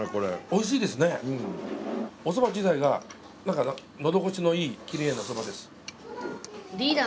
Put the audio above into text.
おそば自体がのど越しのいいきれいなそばです。